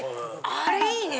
あれいいね！